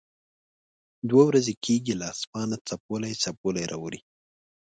دوه ورځې کېږي له اسمانه څپولی څپولی را اوري.